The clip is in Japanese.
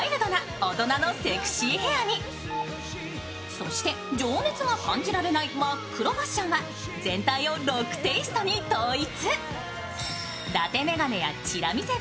そして情熱が感じられない真っ黒ファッションは全体をロックテーストに統一。